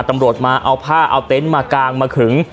ตำรวจมาเอาผ้าเอาเต็นต์มากางมาขึง